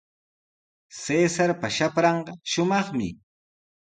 Cesarpa shapranqa shumaqmi.